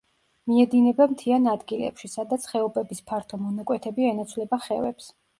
მიედინება მთიან ადგილებში, სადაც ხეობების ფართო მონაკვეთები ენაცვლება ხევებს.